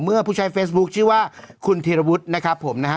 เมื่อผู้ชายเฟซบุ๊กชื่อว่าคุณธีรวุทธ์นะครับผมนะฮะ